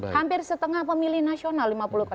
hampir setengah pemilih nasional